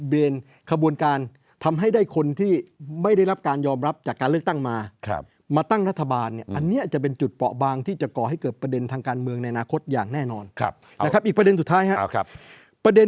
ชนประชาชนประชาชนประชาชนประชาชนประชาชนประชาชนประชาชนประชาชนประชาชนประชาชนประชาชนประชาชนประชาชนประชาชนประชา